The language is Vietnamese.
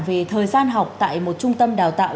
về thời gian học tại một trung tâm đào tạo